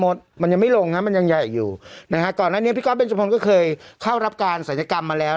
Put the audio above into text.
มันยังไม่ลงนะมันยังใหญ่อยู่นะฮะก่อนหน้านี้พี่ก๊อเบจุพลก็เคยเข้ารับการศัลยกรรมมาแล้ว